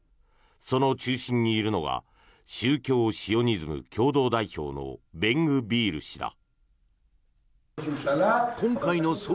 その中心にいるのが宗教シオニズム共同代表のベングビール氏だ。